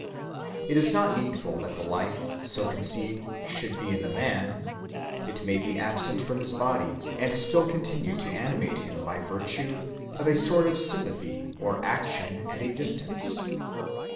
It is not needful that the life, so conceived, should be in the man; it may be absent from his body and still continue to animate him by virtue of a sort of sympathy or action at a distance.